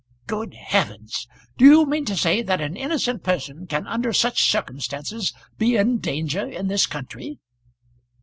"Good heavens! Do you mean to say that an innocent person can under such circumstances be in danger in this country?"